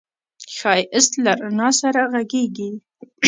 ښایست له رڼا سره غږېږي